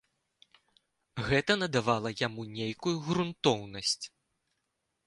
Гэта надавала яму нейкую грунтоўнасць.